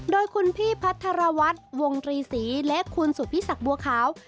โดยคุณพี่พัทรวัฒน์วงตรีศรีและคุณสุภิษักบัวขาว